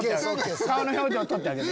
顔の表情撮ってあげて。